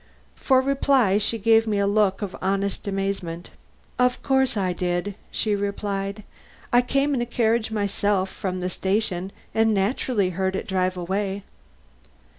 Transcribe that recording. For reply she gave me a look of very honest amazement. "Of course I did," she replied. "I came in a carriage myself from the station and naturally heard it drive away."